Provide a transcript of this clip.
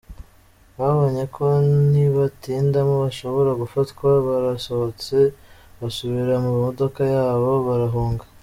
Babonye ko nibatindamo bashobora gufatwa barasohotse basubira mu modoka yabo barahunga.